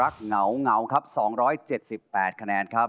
๒๗๘คะแนนครับ